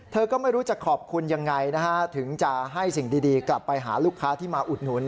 เธอก็ไม่รู้จะขอบคุณยังไงนะฮะถึงจะให้สิ่งดีกลับไปหาลูกค้าที่มาอุดหนุน